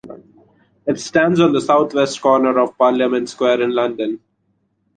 It stands on the south-west corner of Parliament Square in London.